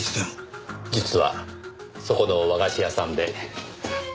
実はそこの和菓子屋さんで。